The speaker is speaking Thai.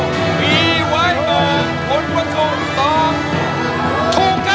สวัสดีค่ะให้ลูกหนูไปร้องเพลงด้วยนะคะ